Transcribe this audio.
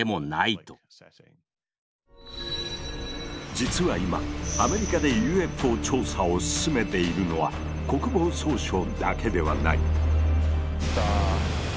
実は今アメリカでＵＦＯ調査を進めているのは国防総省だけではない。